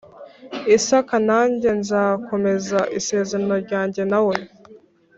Isaka Nanjye nzakomeza isezerano ryanjye na we